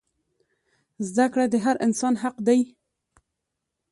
زده کړه د هر انسان حق دی.